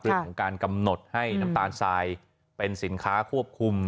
เรื่องของการกำหนดให้น้ำตาลทรายเป็นสินค้าควบคุม